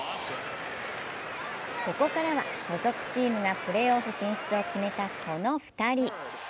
ここからは所属チームがプレーオフ進出を決めた、この２人。